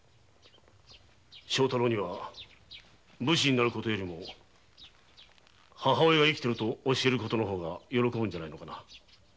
正太郎には武士になる事よりも「母上が生きてる」と教える方が喜ぶのではないかな？